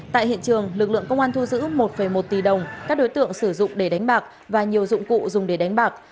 tại hiện trường lực lượng công an thu giữ một một tỷ đồng các đối tượng sử dụng để đánh bạc và nhiều dụng cụ dùng để đánh bạc